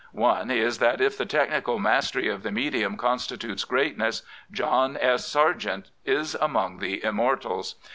One is that if the technical mastery of the medium constitutes greatness, John S. Sargent is among the immortals.